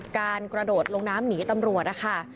กระโดดลงน้ำหนีตำรวจนะคะ